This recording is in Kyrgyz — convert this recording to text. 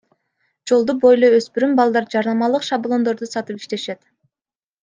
Жолду бойлой өспүрүм балдар жарнамалык шаблондорду сатып иштешет.